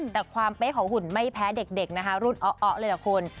แต่ความเป๊ะของหุ่นไม่แพ้เด็กนะคะรุ่นอ๊ะเลยล่ะคุณ